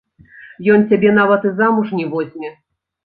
Ён цябе нават і замуж не возьме.